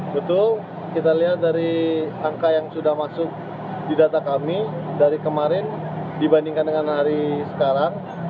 betul kita lihat dari angka yang sudah masuk di data kami dari kemarin dibandingkan dengan hari sekarang